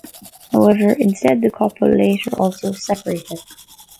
However, instead the couple later also separated.